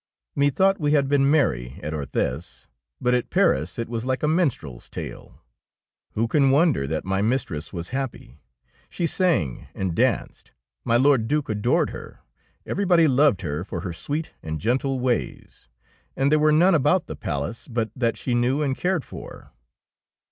Methought we had been merry at Orthez, but at Paris it was like a min strehs tale! Who can wonder that my mistress was happy? She sang and danced, my Lord Due adored her, everybody loved her for her sweet and gentle ways, and there were none about the palace but that she knew and cared for.